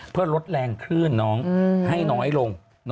เพื่อลดแรงคลื่นน้องให้น้อยลง